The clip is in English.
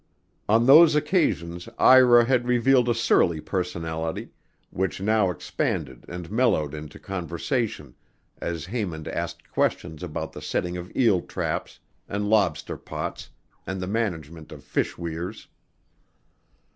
On those occasions Ira had revealed a surly personality, which now expanded and mellowed into conversation as Haymond asked questions about the setting of eel traps and lobster pots and the management of fish weirs.